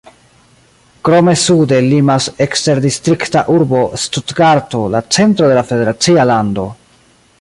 Krome sude limas eksterdistrikta urbo Stutgarto, la centro de la federacia lando.